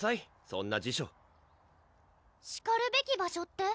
そんな辞書しかるべき場所って？